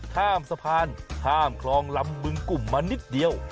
ข้ามสะพานข้ามคลองลำบึงกลุ่มมานิดเดียว